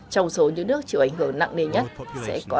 trong số những nước chịu ảnh hưởng nặng nề nhất sẽ có